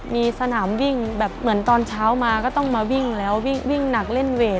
มีสนามวิ่งแบบเหมือนตอนเช้ามาก็ต้องมาวิ่งแล้ววิ่งหนักเล่นเวท